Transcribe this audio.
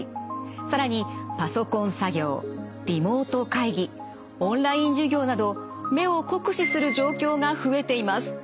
更にパソコン作業リモート会議オンライン授業など目を酷使する状況が増えています。